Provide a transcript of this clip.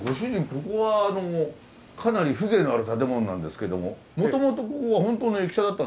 ここはかなり風情のある建物なんですけどももともとここは本当の駅舎だったんでしょうか？